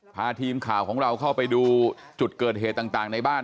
พาทีมข่าวของเราเข้าไปดูจุดเกิดเหตุต่างในบ้าน